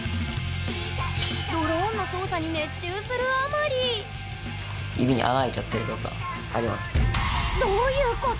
ドローンの操作に熱中するあまりあります。